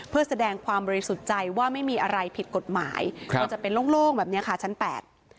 เพื่อแสดงความบริสุทธิ์ใจว่าไม่มีอะไรผิดกฎหมายครับมันจะเป็นโล่งโล่งแบบเนี้ยค่ะชั้นแปด